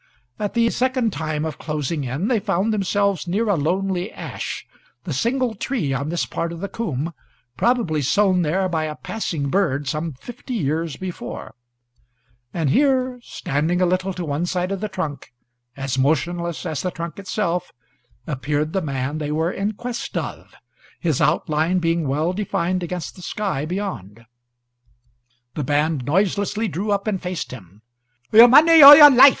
At the second time of closing in they found themselves near a lonely oak, the single tree on this part of the upland, probably sown there by a passing bird some hundred years before; and here, standing a little to one side of the trunk, as motionless as the trunk itself, appeared the man they were in quest of, his outline being well defined against the sky beyond. The band noiselessly drew up and faced him. "Your money or your life!"